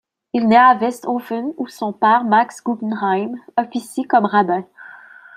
Il naît à Westhoffen, où son père Max Gugenheim officie comme rabbin.